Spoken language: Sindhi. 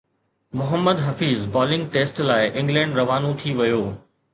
محمد حفيظ بالنگ ٽيسٽ لاءِ انگلينڊ روانو ٿي ويو